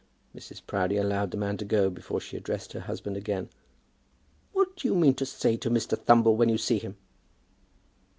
Mrs. Proudie allowed the man to go before she addressed her husband again. "What do you mean to say to Mr. Thumble when you see him?"